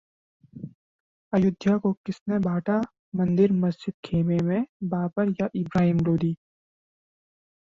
अयोध्या को किसने बांटा मंदिर-मस्जिद खेमे में, बाबर या इब्राहिम लोदी?